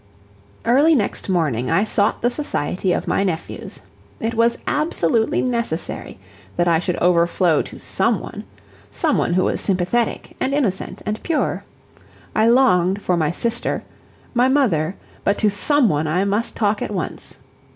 Early next morning I sought the society of my nephews. It was absolutely necessary that I should overflow to SOME one some one who was sympathetic and innocent and pure. I longed for my sister my mother, but to SOME one I must talk at once.